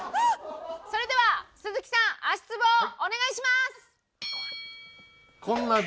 それでは鈴木さん足ツボお願いします！